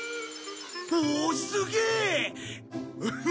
おおすげえ！